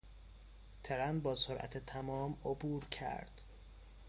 ترن با سرعت تمام عبور کرد.